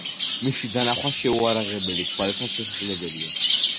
მისი დანახვა შეუიარაღებელი თვალითაც შესაძლებელია.